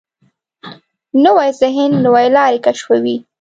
نوی ذهن نوې لارې کشفوي